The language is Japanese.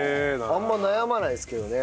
あんま悩まないですけどね。